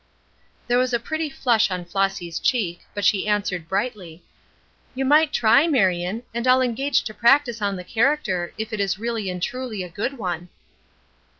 There was a pretty flush on Flossy's cheek, but she answered, brightly: "You might try, Marion, and I'll engage to practice on the character, if it is really and truly a good one."